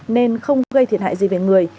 nên không gây thiệt hại gì về người